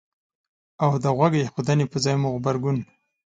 او د غوږ ایښودنې په ځای مو غبرګون